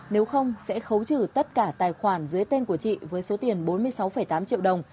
nếu không sẽ khấu trừ tất cả tài khoản dưới tên của chị với số tiền bốn mươi sáu tám triệu đồng